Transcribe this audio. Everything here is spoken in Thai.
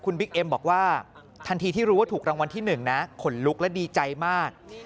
บิ๊กเอ็มบอกว่าทันทีที่รู้ว่าถูกรางวัลที่๑นะขนลุกและดีใจมาก